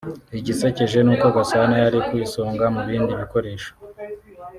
Igisekeje n’uko Gasana yari ku isonga mu bindi bikoresho